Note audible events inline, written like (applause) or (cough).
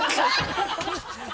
ハハハ (laughs)